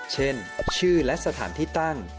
เช่นชื่อและสถานที่ตั้ง